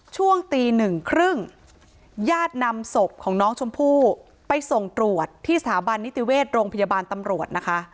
ช่วงตีหนึ่งครึ่งญาตินำศพของน้องชมพู่ไปส่งตรวจที่สถาบันนิติเวชโรงพยาบาลตำรวจนะคะ